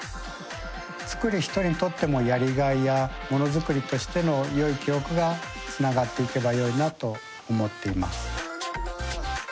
作る人にとってもやりがいやものづくりとしてのよい記憶がつながっていけばよいなと思っています。